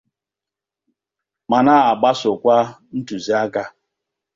ma na-agbasòkwa ntụziaka